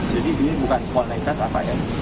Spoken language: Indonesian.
jadi ini bukan sebuah laikas apa ya